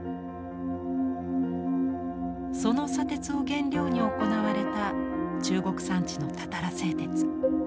その砂鉄を原料に行われた中国山地のたたら製鉄。